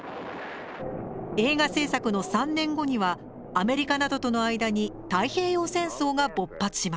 映画製作の３年後にはアメリカなどとの間に太平洋戦争が勃発します。